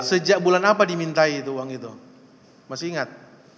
sejak bulan apa dimintai itu uang itu masih ingat